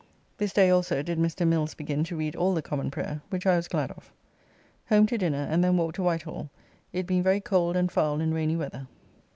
This day also did Mr. Mills begin to read all the Common Prayer, which I was glad of. Home to dinner, and then walked to Whitehall, it being very cold and foul and rainy weather.